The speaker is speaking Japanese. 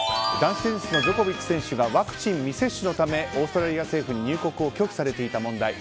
男子テニスジョコビッチ選手がワクチン未接種のためオーストラリア政府に入国を拒否されていた問題。